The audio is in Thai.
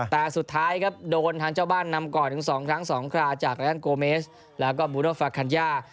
แต่สุดท้ายครับโดนทางเจ้าบ้านนำก่อนถึง๒ครั้ง๒คราจากรายอันโกเมสแล้วก็บูโดฟาคัญญา